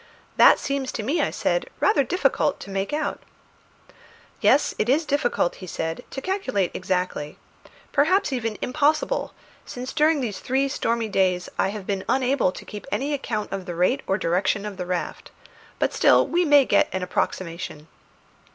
"That seems to me," I said, "rather difficult to make out." "Yes, it is difficult," he said, "to calculate exactly; perhaps even impossible, since during these three stormy days I have been unable to keep any account of the rate or direction of the raft; but still we may get an approximation."